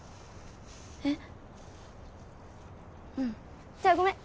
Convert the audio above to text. えっうん。じゃあごめん。